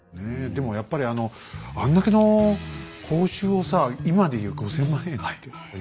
でもやっぱりあのあんだけの報酬をさ今で言う５，０００万円だっけ